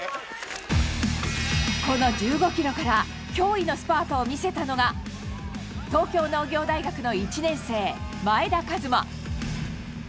この１５キロから、驚異のスパートを見せたのが、東京農業大学の１年生、前田和摩。